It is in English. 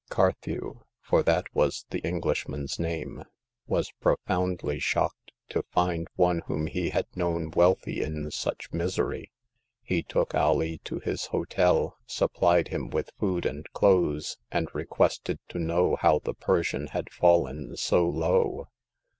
Carthew— for that was the Englishman's name — was profoundly shocked to find one whom he had known wealthy in such misery. He took Alee to his hotel, supplied him with food and clothes, and requested to know how the Persian had fallen so low.